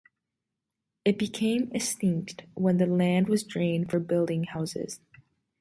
It became extinct when the land was drained for building houses.